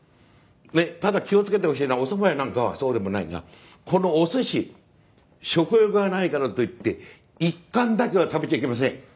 ただ気を付けてほしいのはおそばやなんかはそうでもないがこのおすし食欲がないからといって１貫だけは食べちゃいけません。